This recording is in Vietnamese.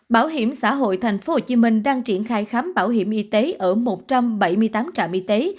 bảo hiểm xã hội tp hcm đang triển khai khám bảo hiểm y tế ở một trăm bảy mươi tám trạm y tế